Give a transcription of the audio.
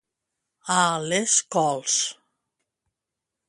A les cols.